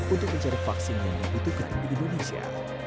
untuk mencari vaksin yang dibutuhkan di indonesia